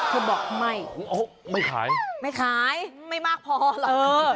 เธอบอกไม่ไม่ขายไม่ขายไม่มากพอหรอกเออ